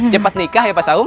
cepat nikah ya pak saung